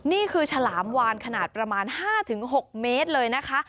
นี่คือฉลามวานขนาดประมาณ๕๖เมตรเลยนะคะ